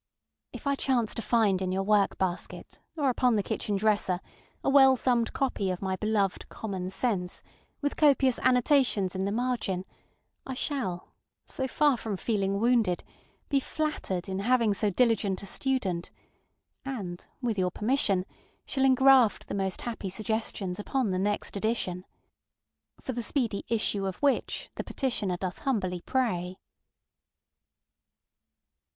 If I chance to find in your work basket, or upon the kitchen dresser, a well thumbed copy of my beloved ŌĆ£Common Sense, ŌĆØ with copious annotations in the margin, I shall, so far from feeling wounded, be flattered in having so diligent a student, and, with your permission, shall engraft the most happy suggestions upon the next edition. For the speedy issue of which, the petitioner doth humbly pray.